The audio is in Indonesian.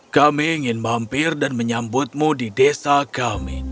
kami ingin mampir dan menyambutmu di desa kami